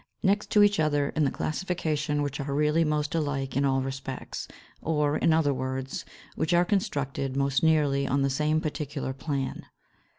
next to each other in the classification which are really most alike in all respects, or, in other words, which are constructed most nearly on the same particular plan.